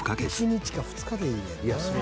１日か２日でいいねんな。